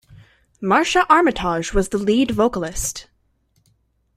Marsha Armitage was the lead vocalist.